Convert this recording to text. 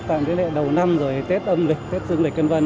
tạm dưới lệ đầu năm rồi tết âm lịch tết dương lịch cân vân